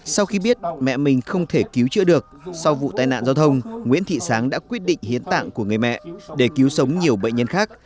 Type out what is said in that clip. sau khi biết mẹ mình không thể cứu chữa được sau vụ tai nạn giao thông nguyễn thị sáng đã quyết định hiến tạng của người mẹ để cứu sống nhiều bệnh nhân khác